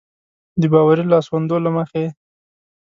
د باوري لاسوندو له مخې.